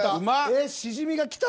えっシジミがきた？